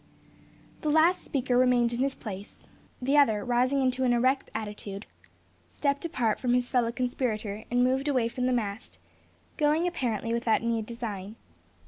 The last speaker remained in his place. The other, rising into an erect attitude, stepped apart from his fellow conspirator, and moved away from the mast, going apparently without any design.